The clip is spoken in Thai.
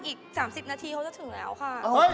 อีก๓๐นาทีเขาจะถึงแล้วค่ะ